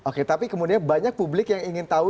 oke tapi kemudian banyak publik yang ingin tahu